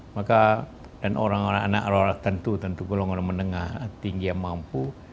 maka orang orang anak anak tentu tentu kelompok orang menengah tinggi yang mampu